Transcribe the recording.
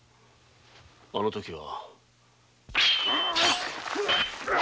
あの時は。